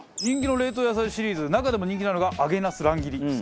人気の冷凍野菜シリーズ中でも人気なのが揚げなす乱切り。